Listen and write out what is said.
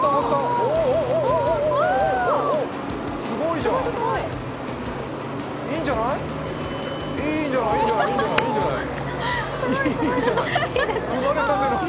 おお、すごいじゃん。いいんじゃない、いいんじゃない、いいんじゃない。